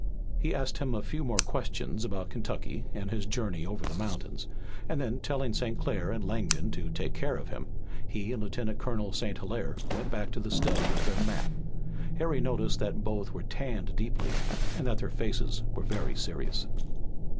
He asked him a few more questions about Kentucky and his journey over the mountains, and then, telling St. Clair and Langdon to take care of him, he and Lieutenant Colonel St. Hilaire went back to the study of their map. Harry noted that both were tanned deeply and that their faces were very serious.